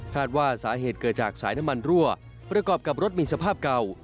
ว่าสาเหตุเกิดจากสายน้ำมันรั่วประกอบกับรถมีสภาพเก่า